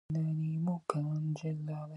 Jiire jaŋnguɗo, o ɗowan en wakkeere diina.